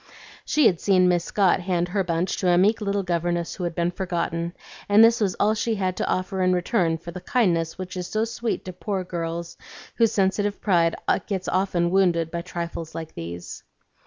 She had seen Miss Scott hand her bunch to a meek little governess who had been forgotten, and this was all she had to offer in return for the kindness which is so sweet to poor girls whose sensitive pride gets often wounded by trifles like these.